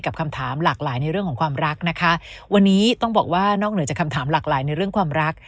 คำถามหลากหลายในเรื่องของความรักนะคะวันนี้ต้องบอกว่านอกเหนือจากคำถามหลากหลายในเรื่องความรัก